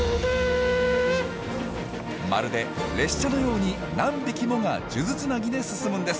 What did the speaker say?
まるで列車のように何匹もが数珠つなぎで進むんです。